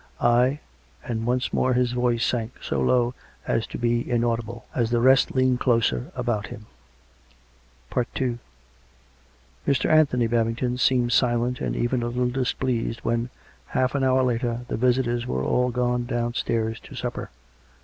" I " And once more his voice sank so low as to be inaudible; as the rest leaned closer about him. II Mr. Anthony Babington seemed silent and even a little displeased when, half an hour later, the visitors were all gone downstairs to supper.